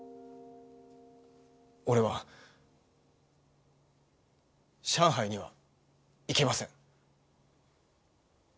俺は上海には行けません。